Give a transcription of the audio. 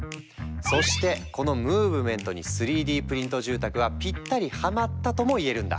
そしてこのムーブメントに３Ｄプリント住宅はぴったりハマったともいえるんだ。